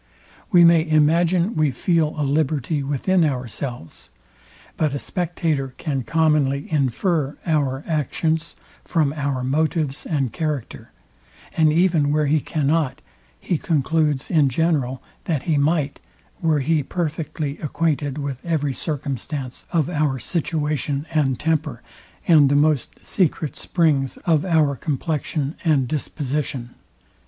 We may imagine we feel a liberty within ourselves; but a spectator can commonly infer our actions from our motives and character; and even where he cannot, he concludes in general, that he might, were he perfectly acquainted with every circumstance of our situation and temper, and the most secret springs of our complexion and disposition.